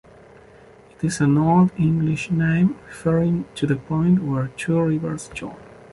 It is an old English name, referring to the point where two rivers join.